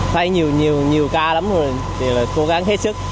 thay nhiều ca lắm rồi thì là cố gắng hết sức